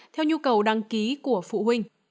theo nhu cầu đăng ký của phụ huynh